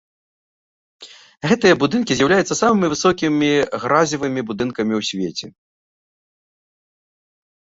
Гэтыя будынкі з'яўляюцца самымі высокімі гразевымі будынкамі ў свеце.